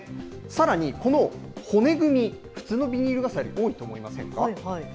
さらに、この骨組み、普通のビニール傘よりも多いと思いませんか。